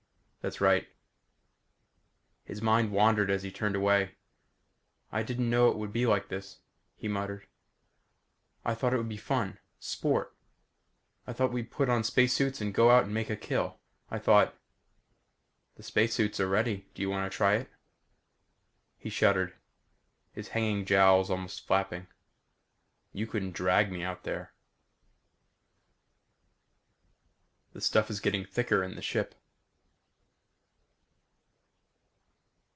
"That's right." His mind wandered as he turned away. "I didn't know it would be like this," he muttered. "I thought it would be fun sport. I thought we'd put on space suits and go out and make a kill. I thought " "The space suits are ready. Do you want to try it?" He shuddered, his hanging jowls almost flapping. "You couldn't drag me out there." The stuff is getting thicker in the ship.